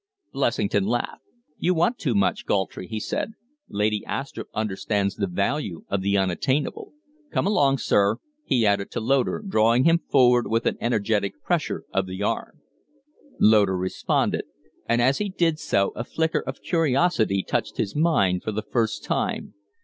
Blessington laughed. "You want too much, Galltry," he said. "Lady Astrupp understands the value of the unattainable. Come along, sir!" he added to Loder, drawing him forward with an energetic pressure of the arm. Loder responded, and as he did so a flicker of curiosity touched his mind for the first time.